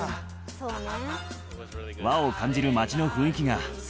そうね。